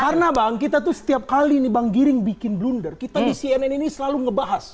karena bang kita tuh setiap kali nih bang giring bikin blunder kita di cnn ini selalu ngebahas